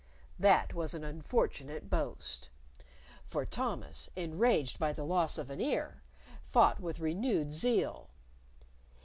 That was an unfortunate boast. For Thomas, enraged by the loss of an ear, fought with renewed zeal.